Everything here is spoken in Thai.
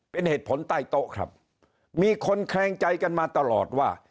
เป็นเหตุผลใต้โต๊ะครับมีคนแคลงใจกันมาตลอดว่า